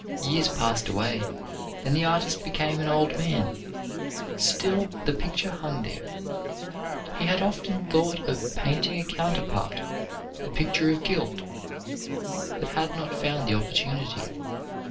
Years passed away, and the artist became an old man. Still the picture hung there. He had often thought of painting a counterpart, the picture of guilt, but had not found the opportunity.